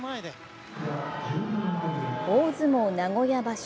大相撲名古屋場所。